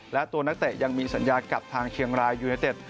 และตัวนักเตะยังมีสัญญากับทางเชียงรายยูเนเต็ด